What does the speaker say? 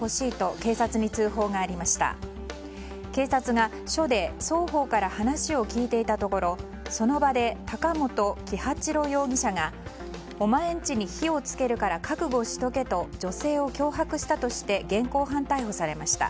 警察が署で双方から話を聞いていたところその場で高本紀二千六容疑者がおまえんちに火を付けるから覚悟しておけと女性を脅迫したとして現行犯逮捕されました。